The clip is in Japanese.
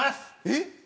えっ？